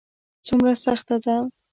څومره سخته ده ؟